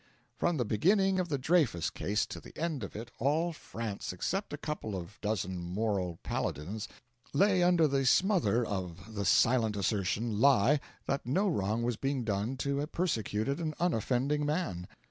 From the beginning of the Dreyfus case to the end of it all France, except a couple of dozen moral paladins, lay under the smother of the silent assertion lie that no wrong was being done to a persecuted and unoffending man.